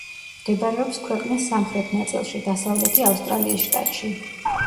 მდებარეობს ქვეყნის სამხრეთ ნაწილში, დასავლეთი ავსტრალიის შტატში.